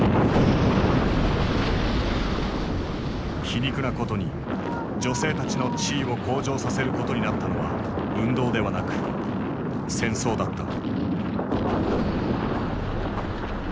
皮肉なことに女性たちの地位を向上させることになったのは運動ではなく戦争だった。